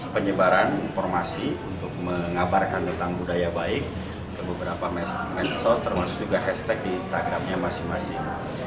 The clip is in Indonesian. penyebaran informasi untuk mengabarkan tentang budaya baik ke beberapa medsos termasuk juga hashtag di instagramnya masing masing